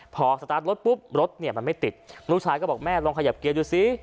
พอสตาร์ทรถปุ๊บรถเนี่ยมันไม่ติดลูกชายก็บอกแม่ลองขยับเกียร์ดูสิ